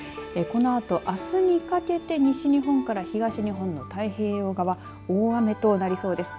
このあと、あすにかけて西日本から東日本の太平洋側大雨となりそうです。